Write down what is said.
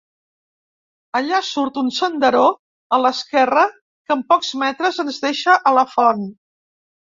Allà surt un senderó a l'esquerra que en pocs metres ens deixa a la font.